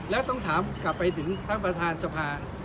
และต้องถามกลับไปถึงท่านประธานสภา